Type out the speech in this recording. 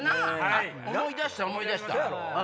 思い出した思い出した。